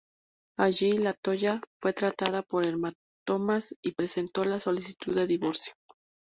Allí, La Toya fue tratada por hematomas y presentó la solicitud de divorcio.